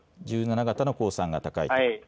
１７型の公算が高いと。